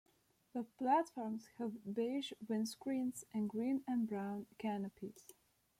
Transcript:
The platforms have beige windscreens and green and brown canopies.